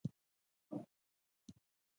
مچان د چايو خوړلو مانا ختموي